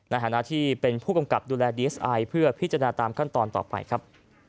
ในฐานะที่เป็นผู้กำกับดูแลดีเอสไอเพื่อพิจารณาตามขั้นตอนต่อไปครับ